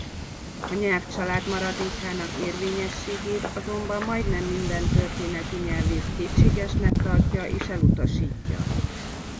A nyelvcsalád maradékának érvényességét azonban majdnem minden történeti nyelvész kétségesnek tartja és elutasítja.